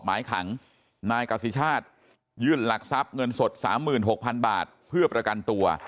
หมายขังนายกสิชาติยื่นหลักทรัพย์เงินสด๓๖๐๐๐บาทเพื่อประกันตัว